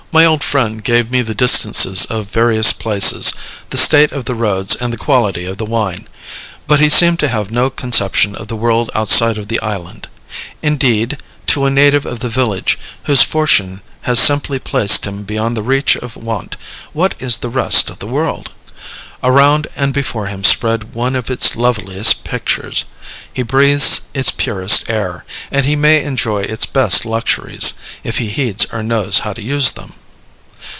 My old friend gave me the distances of various places, the state of the roads, and the quality of the wine; but he seemed to have no conception of the world outside of the island. Indeed, to a native of the village, whose fortune has simply placed him beyond the reach of want, what is the rest of the world? Around and before him spread one of its loveliest pictures; he breathes its purest air; and he may enjoy its best luxuries, if he heeds or knows how to use them.